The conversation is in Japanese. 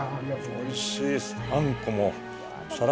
おいしい。